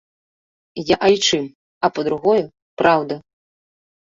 Я айчым, а па-другое, праўда!